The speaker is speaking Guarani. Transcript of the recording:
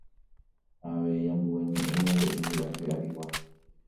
ha avei ambue ñe'ẽ ñande yvy ape arigua.